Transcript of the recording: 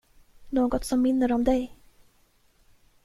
Något som minner om dig.